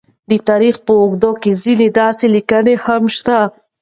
د تاریخ په اوږدو کې ځینې داسې لیکنې هم شته،